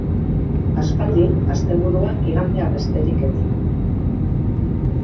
Aspaldi, asteburua igandea besterik ez zen.